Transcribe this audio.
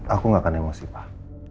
aku gak akan emosi pak